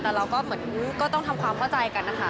แต่เราก็เหมือนก็ต้องทำความเข้าใจกันนะคะ